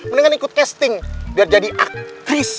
mendingan ikut casting biar jadi aktris